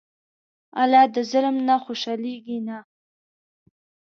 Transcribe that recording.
الله د ظلم نه خوشحالېږي نه.